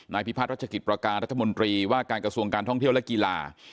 พิพัฒนรัชกิจประการรัฐมนตรีว่าการกระทรวงการท่องเที่ยวและกีฬา